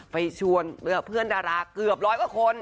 ไปชวนเพื่อนดาราเกือบร้อยกว่าคน